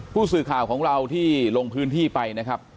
ผู้สื่อข่าวของเราที่ลงพื้นที่ไปนะครับ